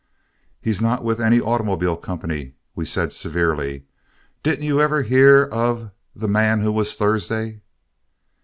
"He's not with any automobile company," we said severely. "Didn't you ever hear of 'The Man Who Was Thursday'?"